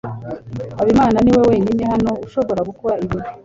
Habimana niwe wenyine hano ushobora gukora ibi.